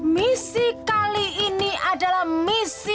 misi kali ini adalah misi